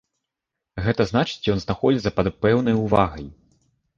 Гэта значыць ён знаходзіцца пад пэўнай увагай.